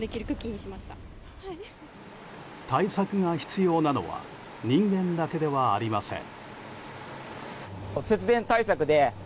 対策が必要なのは人間だけではありません。